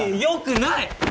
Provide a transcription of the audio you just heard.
よくない！